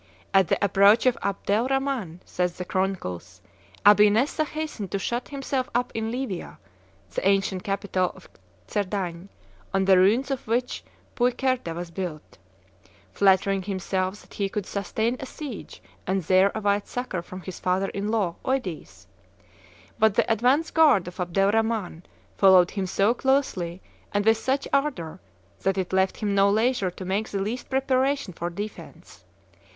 "At the approach of Abdel Rhaman," say the chroniclers, "Abi Nessa hastened to shut himself up in Livia [the ancient capital of Cerdagne, on the ruins of which Puycerda was built], flattering himself that he could sustain a siege and there await succor from his father in law, Eudes; but the advance guard of Abdel Rhaman followed him so closely and with such ardor that it left him no leisure to make the least preparation for defence.